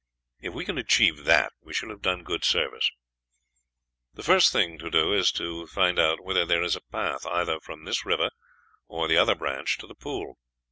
If we can achieve that, we shall have done good service. "The first thing to do is to find out whether there is a path either from this river, or the other branch, to the pool.